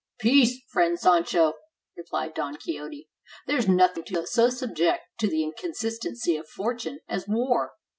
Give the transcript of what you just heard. "Peace, friend Sancho," replied Don Quixote: " there is nothing so subject to the inconstancy of fortune as war.